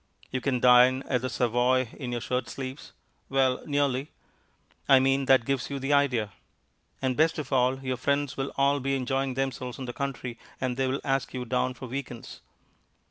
You can dine at the Savoy in your shirt sleeves well, nearly. I mean, that gives you the idea. And, best of all, your friends will all be enjoying themselves in the country, and they will ask you down for week ends.